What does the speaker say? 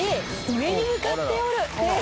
上に向かって折るです。